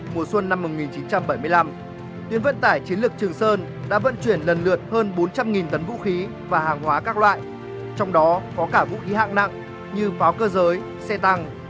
mùa xuân năm một nghìn chín trăm bảy mươi năm tuyến vận tải chiến lược trường sơn đã vận chuyển lần lượt hơn bốn trăm linh tấn vũ khí và hàng hóa các loại trong đó có cả vũ khí hạng nặng như pháo cơ giới xe tăng